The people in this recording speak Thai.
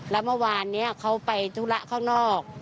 แล้วเมื่อวานนี้เขาไปธุระข้างนอก